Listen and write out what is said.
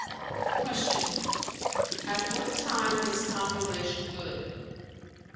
Q "At what time is copulation good?"